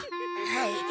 はい。